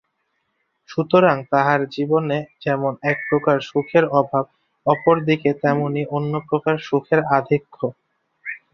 সুতরাং তাহার জীবনে যেমন একপ্রকার সুখের অভাব, অপর দিকে তেমনি অন্যপ্রকার সুখের আধিক্য।